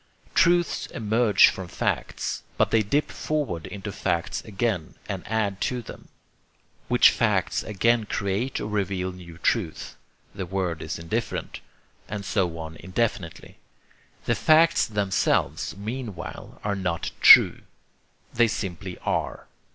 Truths emerge from facts; but they dip forward into facts again and add to them; which facts again create or reveal new truth (the word is indifferent) and so on indefinitely. The 'facts' themselves meanwhile are not TRUE. They simply ARE.